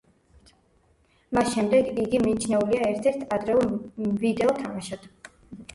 მას შემდეგ იგი მიჩნეულია ერთ-ერთ ადრეულ ვიდეო თამაშად.